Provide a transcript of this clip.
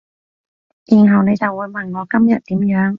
然後你就會問我今日點樣